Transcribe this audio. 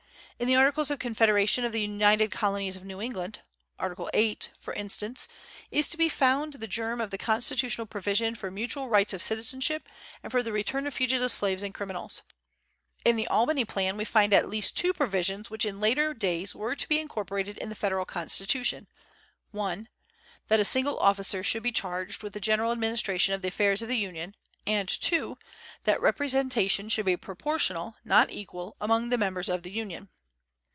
In the Articles of Confederation of the United Colonies of New England (Article 8), for instance, is to be found the germ of the constitutional provision for mutual rights of citizenship and for the return of fugitive slaves and criminals. In the Albany Plan we find at least two provisions which in later days were to be incorporated in the Federal Constitution: (1) that a single officer should be charged with the general administration of the affairs of the union, and (2) that representation should be proportional, not equal, among the members of the union.